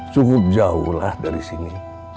cukup jauh lah dari sini